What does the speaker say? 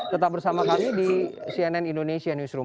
tetap bersama kami di cnn indonesia newsroom